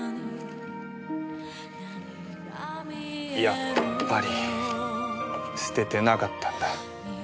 やっぱり捨ててなかったんだ。